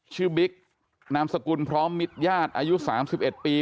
บิ๊กนามสกุลพร้อมมิตรญาติอายุ๓๑ปี